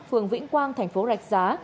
phường vĩnh quang thành phố rạch giá